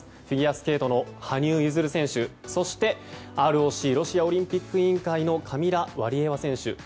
フィギュアスケートの羽生結弦選手そしてＲＯＣ・ロシアオリンピック委員会のカミラ・ワリエワ選手。